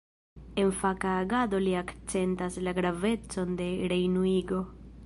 En faka agado li akcentas la gravecon de rejunigo.